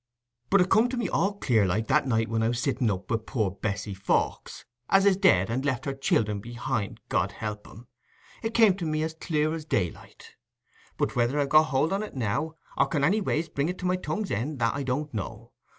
But it come to me all clear like, that night when I was sitting up wi' poor Bessy Fawkes, as is dead and left her children behind, God help 'em—it come to me as clear as daylight; but whether I've got hold on it now, or can anyways bring it to my tongue's end, that I don't know.